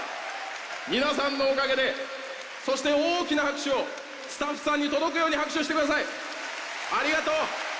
皆さんのおかげで、そして大きな拍手をスタッフさんに届くよう拍手をしてください。